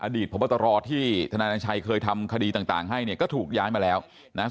พบตรที่ธนาชัยเคยทำคดีต่างให้เนี่ยก็ถูกย้ายมาแล้วนะฮะ